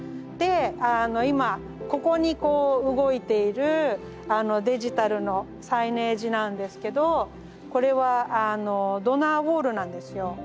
で今ここにこう動いているデジタルのサイネージなんですけどこれはドナーウォールなんですよ。